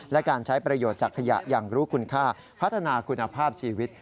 และการใช้ประโยชน์จากขยะอย่างรู้คุณค่าพัฒนาคุณภาพชีวิต